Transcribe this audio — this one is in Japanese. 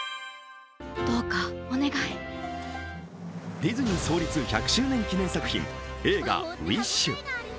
ディズニー創立１００周年記念作品、映画「ウィッシュ」。